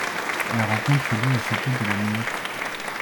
La rencontre eut lieu au château de la Muette.